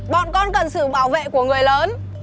bọn con cần sự bảo vệ của người lớn